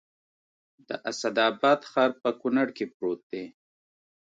د اسداباد ښار په کونړ کې پروت دی